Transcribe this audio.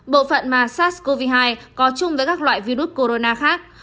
bộ phận mà sars cov hai có chung với các loại virus corona khác